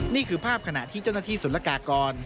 นี่คือภาพขณะที่เจ้าหน้าที่สุรกากร